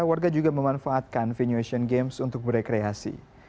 warga juga memanfaatkan venue asian games untuk berekreasi